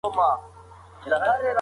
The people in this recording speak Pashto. د خدای او رسول په وړاندې.